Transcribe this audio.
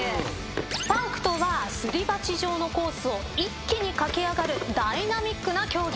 パークとはすり鉢状のコースを一気に駆け上がるダイナミックな競技。